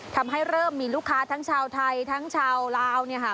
ทำให้เริ่มมีลูกค้าทั้งชาวไทยทั้งชาวลาวเนี่ยค่ะ